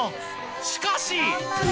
しかし！